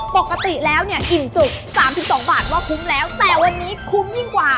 ปกติแล้วเนี่ยอิ่มจุก๓๒บาทว่าคุ้มแล้วแต่วันนี้คุ้มยิ่งกว่า